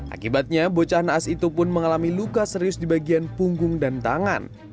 akibatnya bocah naas itu pun mengalami luka serius di bagian punggung dan tangan